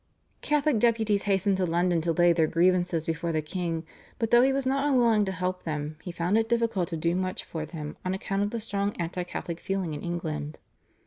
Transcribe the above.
Catholic deputies hastened to London to lay their grievances before the king, but, though he was not unwilling to help them, he found it difficult to do much for them on account of the strong anti Catholic feeling in England.